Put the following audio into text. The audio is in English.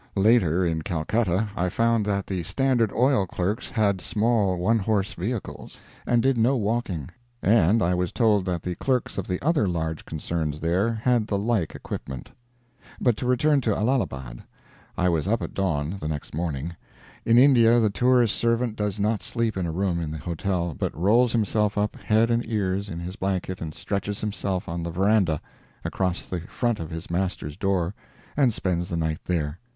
Later, in Calcutta, I found that the Standard Oil clerks had small one horse vehicles, and did no walking; and I was told that the clerks of the other large concerns there had the like equipment. But to return to Allahabad. I was up at dawn, the next morning. In India the tourist's servant does not sleep in a room in the hotel, but rolls himself up head and ears in his blanket and stretches himself on the veranda, across the front of his master's door, and spends the night there.